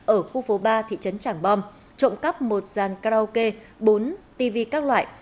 ở khu phố ba thị trấn tràng bom trộm cắp một dàn karaoke bốn tv các loại